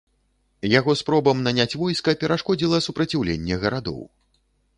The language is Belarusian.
Яго спробам наняць войска перашкодзіла супраціўленне гарадоў.